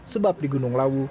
sebab di gunung lawu